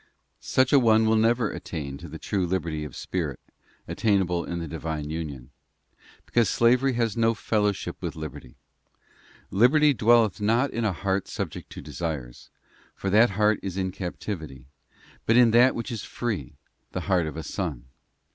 § Such an one will never attain to the true liberty of spirit attainable in the Divine union, because slavery has no fellowship with liberty, liberty dwelleth not in a heart subject to desires, for that heart is in captivity, but in that which is free, the heart of a son.